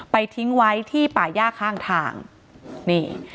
ทิ้งไว้ที่ป่าย่าข้างทางนี่